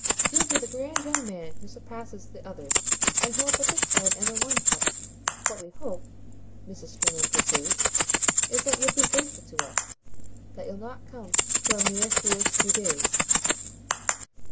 "You'll be the grand young man who surpasses the others and holds up his head and the wine cup. What we hope," Mrs. Stringham pursued, "is that you'll be faithful to us that you've not come for a mere foolish few days."